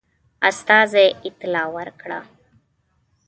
استازي اطلاع ورکړه.